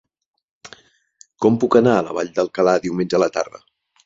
Com puc anar a la Vall d'Alcalà diumenge a la tarda?